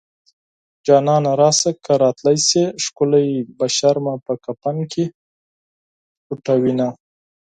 جانانه راشه که راتلی شې ښکلی بشر مې په کفن کې پټوينه